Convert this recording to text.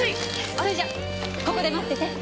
それじゃここで待ってて。